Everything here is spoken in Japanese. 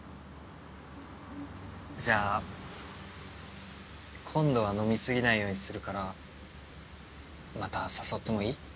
じゃあ今度は飲み過ぎないようにするからまた誘ってもいい？